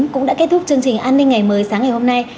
cũng đã kết thúc chương trình an ninh ngày mới sáng ngày hôm nay